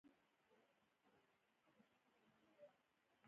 هغه وکولای شول له هغو پولو نه دفاع وکړي چې میراث پاتې وې.